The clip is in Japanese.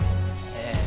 ええ。